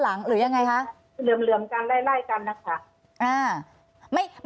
อันดับที่สุดท้าย